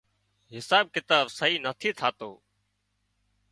حساب ڪتاب سئي نٿي ٿاتو